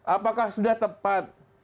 apakah sudah tepat